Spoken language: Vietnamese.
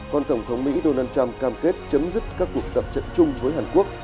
còn tổng thống mỹ donald trump cam kết chấm dứt các cuộc tập trận chung với hàn quốc